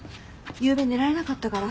ゆうべ寝られなかったから。